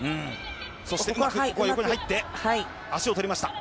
そしてうまく入って足を取りました。